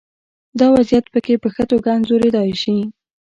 دا وضعیت پکې په ښه توګه انځورېدای شي.